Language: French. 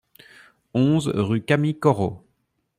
onze rue Camille Corot